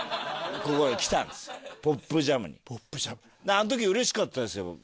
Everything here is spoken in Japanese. あの時うれしかったですよ。